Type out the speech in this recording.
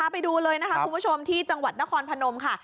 ไปดูเลยนะคะคุณผู้ชมที่จังหวัดนครพนมค่ะ